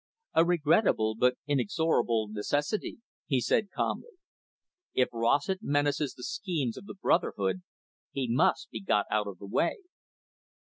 "A regrettable but inexorable necessity," he said calmly. "If Rossett menaces the schemes of the brotherhood, he must be got out of the way."